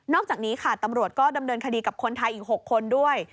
อกจากนี้ค่ะตำรวจก็ดำเนินคดีกับคนไทยอีก๖คนด้วย